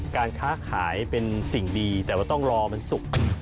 การค้าขายเป็นสิ่งดีแต่ว่าต้องรอมันสุก